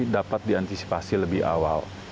dapat diantisipasi lebih awal